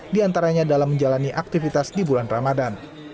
di antaranya dalam menjalani aktivitas di bulan ramadan